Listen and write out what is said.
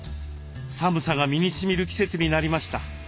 寒さが身にしみる季節になりました。